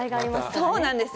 そうなんですよ。